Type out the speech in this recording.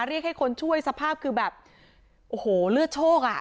เรียกให้คนช่วยสภาพคือแบบโอ้โหเลือดโชคอ่ะ